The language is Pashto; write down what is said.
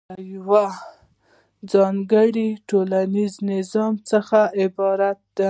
اداره له یوه ځانګړي ټولنیز نظام څخه عبارت ده.